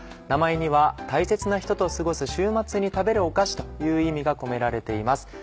名前には大切な人と過ごす週末に食べるお菓子という意味が込められています。